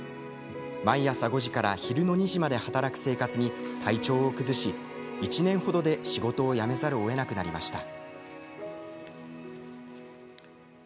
毎朝５時から昼の２時まで働く生活に体調を崩し１年ほどで、仕事を辞めざるをえなくなりました。